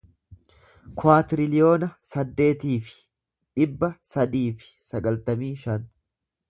kuwaatiriliyoona saddeetii fi dhibba sadii fi sagaltamii shan